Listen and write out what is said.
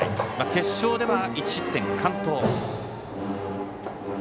決勝では１失点完投。